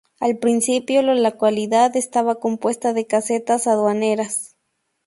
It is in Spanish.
Al principio, la localidad estaba compuesta de casetas aduaneras.